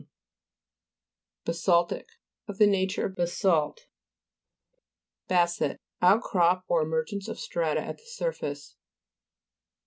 214 GLOSSARY. GEOLOGY. BASA'LTIC Of the nature of ba salt. BASSET Outcrop, or emergence of strata at the surface.